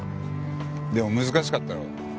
でも難しかったろ。